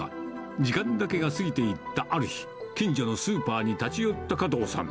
時間だけが過ぎていったある日、近所のスーパーに立ち寄った加藤さん。